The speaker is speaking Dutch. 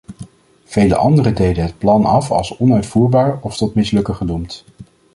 Vele anderen deden het plan af als onuitvoerbaar of tot mislukken gedoemd.